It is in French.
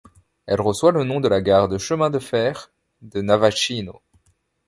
Elle reçoit le nom de la gare de chemin de fer de Navachino.